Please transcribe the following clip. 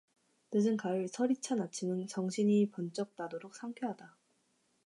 늦은 가을 서리 찬 아침은 정신이 번쩍 나도록 상쾌하다.